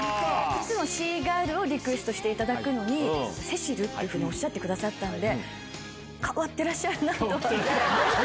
いつもＣーＧｉｒｌをリクエストしていただいたのに、セシルっていうふうにおっしゃってくださったので、変わってらっしゃるそんなことない。